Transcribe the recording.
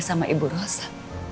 sama ibu rosa